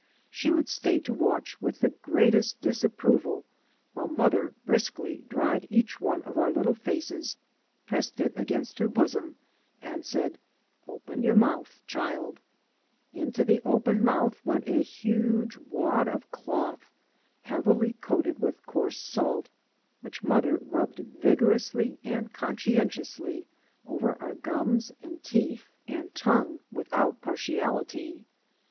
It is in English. She would stay to watch with the greatest disapproval, while mother briskly dried each one of our small faces, pressed it against her bosom, and said, " Open your mouth, cbildie I " Into the open mouth went a huge wad of cloth heavily coated with coarse salt which mother rubbed vigorously and conscientiously over our gums and teeth 3 by Google MY MOTHER AND I and tongue without partiality.